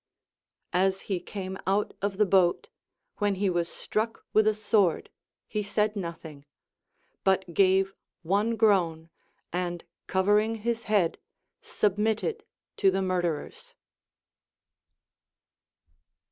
As he came out of the boat, when he was struck with a sword, he said nothing ; but gave one groan, and covering his head submitted to the murderers.